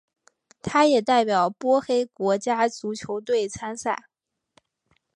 他也代表波黑国家足球队参赛。